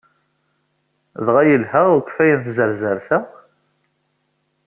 Dɣa yelha ukeffay n tzerzert-a?